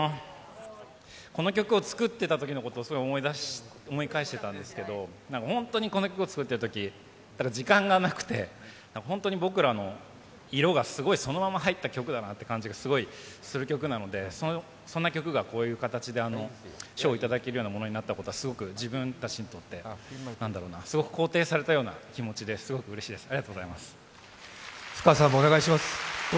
この曲を作っていたときのことを思い返していたんですけれど、本当にこの曲を作っているとき時間がなくて、僕らの色がすごいそのまま入った曲だなという感じがする曲なのでそんな曲がこういう形で賞をいただけるようなものになったことは自分たちにとって、すごく肯定されたような気持ちですごくうれしいです、ありがとうございます。